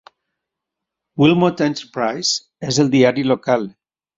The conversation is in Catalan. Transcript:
Wilmot Enterprise és el diari local.